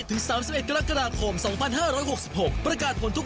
ถึงสามสิบเอ็ดกรกฎาคมสองพันห้าร้อยหกสิบหกประกาศผลทุก